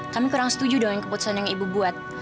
kami kurang setuju dengan keputusan yang ibu buat